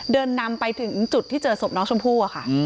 เดินนำไปถึงจุดที่เจอศพน้องชมพู่อะค่ะ